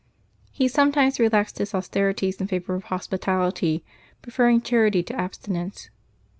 He some times relaxed his austerities in favor of hospitality, pre ferring charity to abstinence.